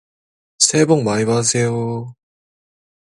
새해 복 많이 받으세요.